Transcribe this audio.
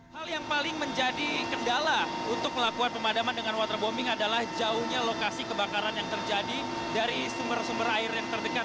hal yang paling menjadi kendala untuk melakukan pemadaman dengan waterbombing adalah jauhnya lokasi kebakaran yang terjadi dari sumber sumber air yang terdekat